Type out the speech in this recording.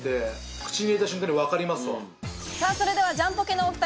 それではジャンポケのお２人。